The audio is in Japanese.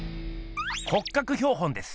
骨格標本です。